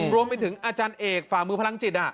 รวมไปถึงอาจารย์เอกฝ่ามือพลังจิต